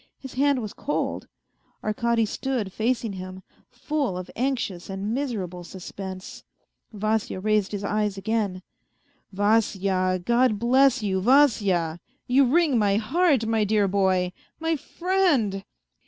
His hand was cold. Arkady stood facing him, full of anxious and miserable suspense. Vasya raised his eyes again. " Vasya, God bless you, Vasya ! You wring my heart, my dear boy, my friend."